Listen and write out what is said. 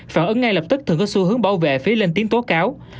phản ứng ngay lập tức thường có xu hướng bảo vệ phí lên tiếng tố cáo